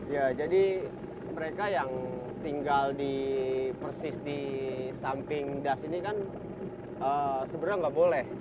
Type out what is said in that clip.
ya jadi mereka yang tinggal di persis di samping das ini kan sebenarnya nggak boleh